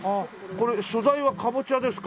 これ素材はかぼちゃですか？